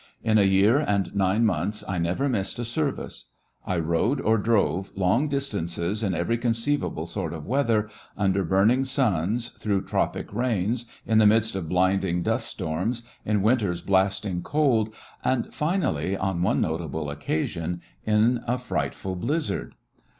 In a year and nine months I never missed a ser vice. I rode or drove long distances in every conceivable sort of weather, under burning suns, through tropic rains, in the midst of blinding dust storms, in winter's blasting cold, and finally, on one notable occasion, in a frightful blizzard.